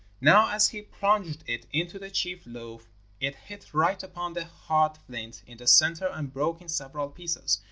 Now as he plunged it into the cheat loaf it hit right upon the hard flint in the centre and broke in several pieces.